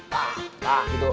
tah tah gitu